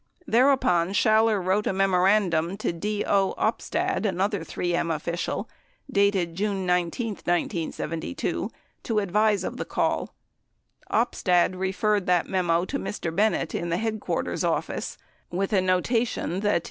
Thereupon, Schaller wrote a memorandum to D. O. Opstad, another 3 M official, dated June 19, 1972 90 to advise of the call. Opstad referred the memo to Mr. Bennett in the headquarters office with a notation that